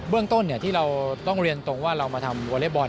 เรื่องต้นที่เราต้องเรียนตรงว่าเรามาทำวอเล็กบอล